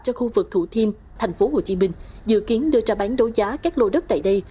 cho khu vực thủ thiêm tp hcm dự kiến đưa ra bán đấu giá các lô đất tại đây